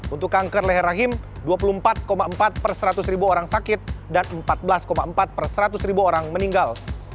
untuk kanker leher rahim dua puluh empat empat per seratus ribu orang sakit dan empat belas empat per seratus ribu orang meninggal